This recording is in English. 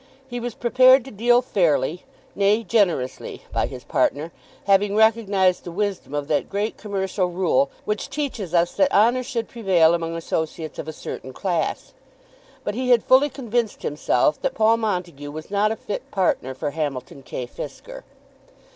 He was prepared to deal fairly, nay, generously, by his partner, having recognised the wisdom of that great commercial rule which teaches us that honour should prevail among associates of a certain class; but he had fully convinced himself that Paul Montague was not a fit partner for Hamilton K. Fisker.